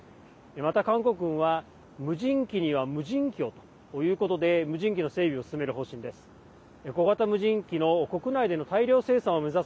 また韓国軍は無人機には無人機をということで無人機の整備を進める方針です。